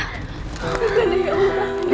kakanda ya allah